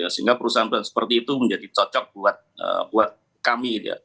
sehingga perusahaan perusahaan seperti itu menjadi cocok buat kami